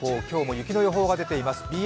今日も雪の予報が出ています。